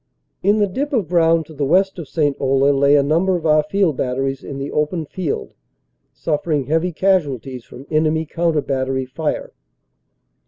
In the dip of ground to the west of St. Olle lay a number of our field batteries in the open field, suffering heavy casualties from OPERATIONS : SEPT. 28 29 247 enemy counter battery fire.